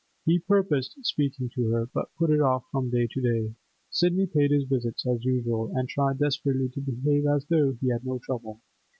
He purposed speaking to her, but put it off from day to day. Sidney paid his visits as usual, and tried desperately to behave as though he had no trouble.